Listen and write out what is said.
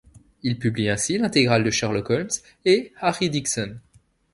Il publie ainsi l'intégrale de Sherlock Holmes et Harry Dickson.